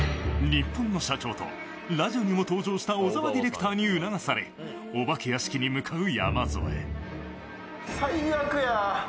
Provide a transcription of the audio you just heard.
ニッポンの社長とラジオにも登場した小澤ディレクターに促されお化け屋敷に向かう山添。